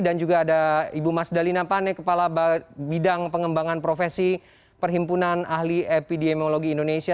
dan juga ada ibu mas dalina pane kepala bidang pengembangan profesi perhimpunan ahli epidemiologi indonesia